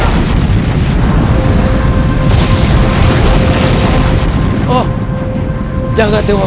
akan kau menang